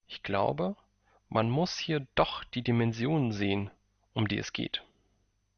Ich glaube, man muss hier doch die Dimensionen sehen, um die es geht.